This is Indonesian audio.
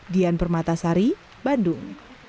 dian permata sari bandung